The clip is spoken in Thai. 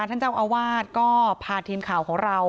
ท่านเจ้าอาวาสก็พาทีมข่าวของเรา